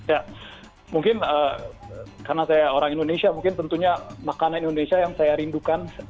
ya mungkin karena saya orang indonesia mungkin tentunya makanan indonesia yang saya rindukan